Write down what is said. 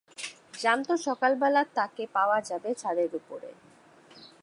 জানত সকালবেলা তাকে পাওয়া যাবে ছাদের উপরে।